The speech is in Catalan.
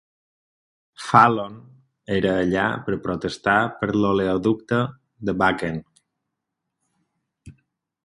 Fallon era allà per protestar per l'oleoducte de Bakken.